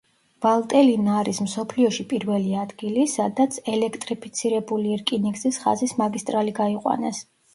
ვალტელინა არის მსოფლიოში პირველი ადგილი, სადაც ელექტრიფიცირებული რკინიგზის ხაზის მაგისტრალი გაიყვანეს.